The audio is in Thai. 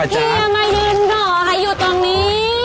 เฮียมายืนรอให้อยู่ตรงนี้